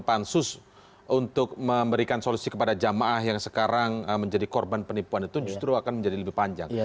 pansus untuk memberikan solusi kepada jamaah yang sekarang menjadi korban penipuan itu justru akan menjadi lebih panjang